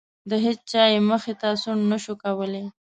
هیچا یې مخې ته سوڼ نه شو کولی.